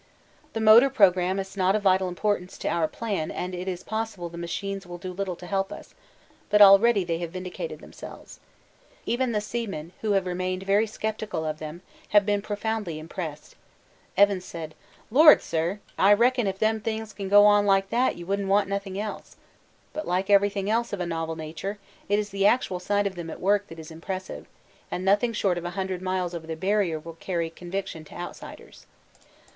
The motor programme is not of vital importance to our plan and it is possible the machines will do little to help us, but already they have vindicated themselves. Even the seamen, who have remained very sceptical of them, have been profoundly impressed. Evans said, 'Lord, sir, I reckon if them things can go on like that you wouldn't want nothing else' but like everything else of a novel nature, it is the actual sight of them at work that is impressive, and nothing short of a hundred miles over the Barrier will carry conviction to outsiders.